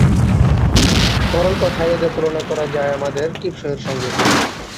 সরল কথায় এদের তুলনা করা যায় আমাদের টিপসইয়ের সঙ্গে।